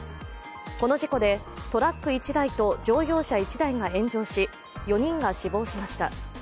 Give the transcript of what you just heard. この事故でトラック１台と乗用車１台が炎上し、４人が死亡しました。